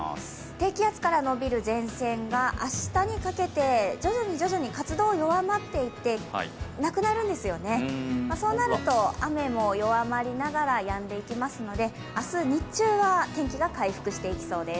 低気圧からのびる前線が明日にかけて、徐々に徐々に活動が弱くなってなくなるんですよね、そうなると雨も弱まりながらやんでいきますので、明日日中は天気が回復していきそうです。